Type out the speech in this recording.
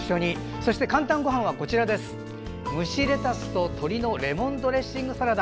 そして「かんたんごはん」は蒸しレタスと鶏のレモンドレッシングサラダ。